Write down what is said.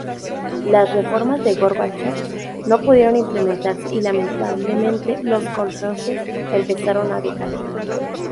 Las reformas de Gorbachov no pudieron implementarse y lentamente los "koljoses" empezaron a decaer.